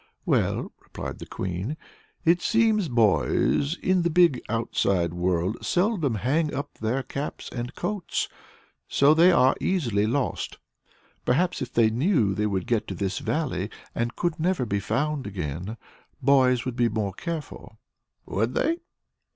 "Well," replied the Queen, "it seems boys in the big outside world seldom hang up their caps and coats; so they are easily lost. Perhaps if they knew they would get to this Valley, and could never be found again, boys would be more careful." "Would they?"